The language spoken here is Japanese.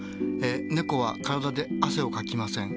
ねこは体で汗をかきません。